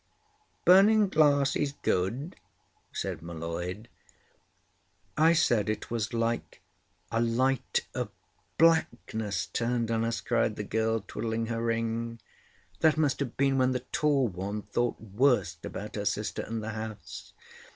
"Burning glass is good," said M'Leod. "I said it was like a light of blackness turned on us," cried the girl, twiddling her ring. "That must have been when the tall one thought worst about her sister and the house."